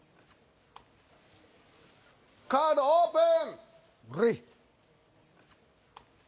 カードオープン！